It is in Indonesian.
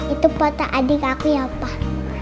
itu foto adik aku ya pak